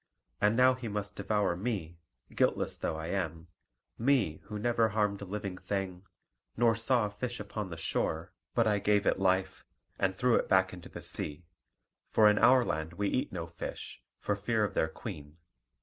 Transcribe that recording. And now he must devour me, guiltless though I am me who never harmed a living thing, nor saw a fish upon the shore but I gave it life, and threw it back into the sea; for in our land we eat no fish, for fear of their queen.